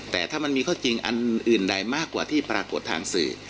แต่ถ้ามันมีข้อจริงอันอื่นใดมากกว่าที่ปรากฏทางสื่อ